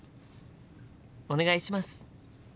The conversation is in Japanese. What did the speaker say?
お願いします！